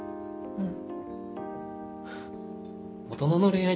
うん。